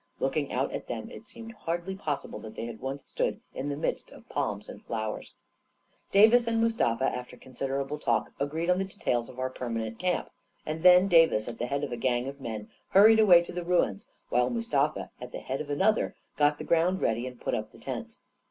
Looking out at them, it seemed hardly possible that they had once stood in the midst of palms and flowers. 141 i 4 2 A KING IN BABYLON Davis and Mustafa, after considerable talk, agreed on the details of our permanent camp; and then Davis, at the head of a gang of men, hurried away to the ruins, while Mustafa, at the head of another, got the ground ready and put up the tents.